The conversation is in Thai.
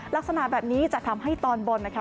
ลักษณะแบบนี้จะทำให้ตอนบนนะคะ